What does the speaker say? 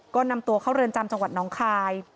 ก็นำตัวเข้าเรือนจำจังหวัดน้องคาย